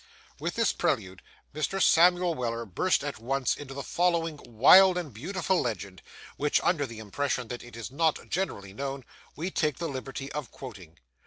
With this prelude, Mr. Samuel Weller burst at once into the following wild and beautiful legend, which, under the impression that it is not generally known, we take the liberty of quoting.